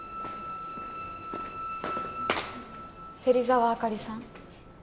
芹沢あかりさん？